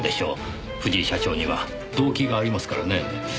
藤井社長には動機がありますからねえ。